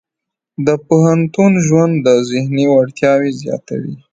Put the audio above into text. د پوهنتون ژوند د ذهني وړتیاوې زیاتوي.